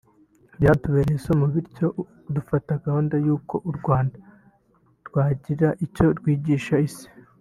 byatubereye isomo bityo dufata gahunda y’uko u Rwanda rwagira icyo rwigisha Isi